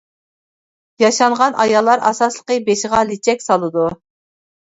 ياشانغان ئاياللار ئاساسلىقى بېشىغا لېچەك سالىدۇ.